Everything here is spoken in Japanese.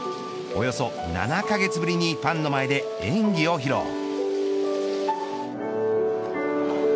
およそ７カ月ぶりにファンの前で演技を披露。